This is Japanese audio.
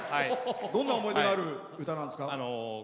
どんな思い出がある歌なんですか？